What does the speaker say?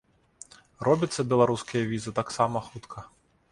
Робяцца беларускія візы таксама хутка.